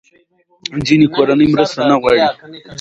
ځینې کورنۍ مرسته نه غواړي.